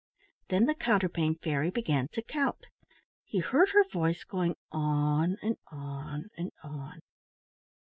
Then the Counterpane Fairy began to count. He heard her voice going on and on and on.